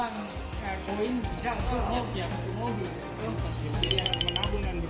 menabung uang koin bisa untuk siapkan mobil